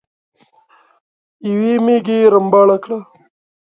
يوې ميږې رمباړه کړه.